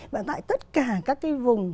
và tại tất cả các cái vùng